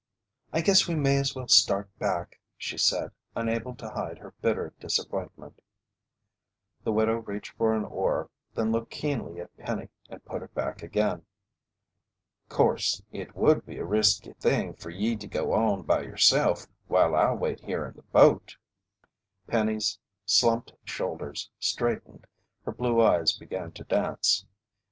"I guess we may as well start back," she said, unable to hide her bitter disappointment. The widow reached for an oar, then looked keenly at Penny and put it back again. "'Course it would be a risky thing fer ye to go on by yerself while I wait here in the boat " Penny's slumped shoulders straightened. Her blue eyes began to dance.